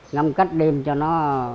ngâm cách đêm cho nó